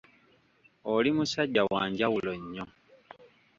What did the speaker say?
Oli musajja wa njawulo nnyo.